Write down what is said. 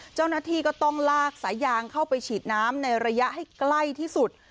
เจ้าหน้าที่ก็ต้องลากสายยางเข้าไปฉีดน้ำในระยะให้ใกล้ที่สุด